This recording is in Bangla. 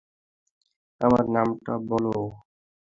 আমার নামটা বল।